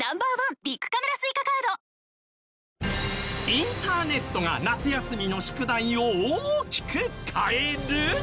インターネットが夏休みの宿題を大きく変える！？